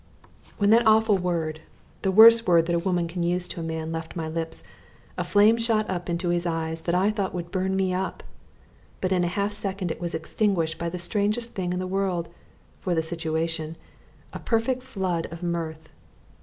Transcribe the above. When that awful word, the worst word that a woman can use to a man, left my lips, a flame shot up into his eyes that I thought would burn me up, but in a half second it was extinguished by the strangest thing in the world for the situation a perfect flood of mirth.